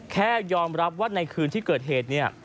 แค่ยอมรับว่าในคืนที่เกิดเหตุเนี่ย